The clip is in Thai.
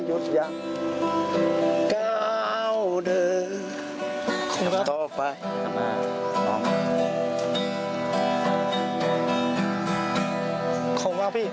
ขอบคุณครับพี่